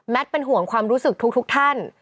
เป็นห่วงความรู้สึกทุกท่าน